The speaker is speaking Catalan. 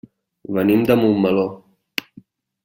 Venim de Montmeló.